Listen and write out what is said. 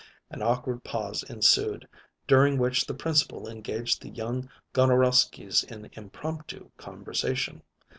An awkward pause ensued, during which the Principal engaged the young Gonorowskys in impromptu conversation.